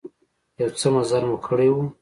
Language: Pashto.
يو څه مزل مو کړى و.